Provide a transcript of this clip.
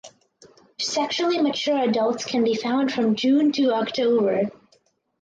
Sexually mature adults can be found from June to October.